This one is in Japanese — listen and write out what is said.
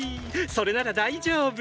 それなら大丈夫！